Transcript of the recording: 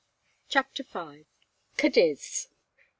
CHAPTER V. CADIZ.